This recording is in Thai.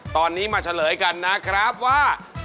ตอนนี้มาเฉลยกันนะครับว่า